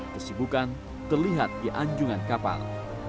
kesibukan terlihat di anjungan kapal